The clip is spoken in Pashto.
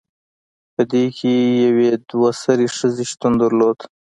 پدې کې یوې دوه سرې ښځې شتون درلود